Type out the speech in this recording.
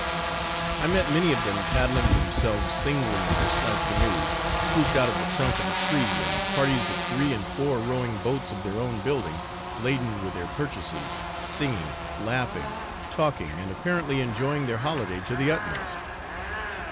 I met many of them paddling themselves singly in their slight canoes, scooped out of the trunk of a tree, and parties of three and four rowing boats of their own building, laden with their purchases, singing, laughing, talking, and apparently enjoying their holiday to the utmost.